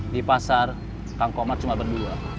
di pasar tang komar cuma berdua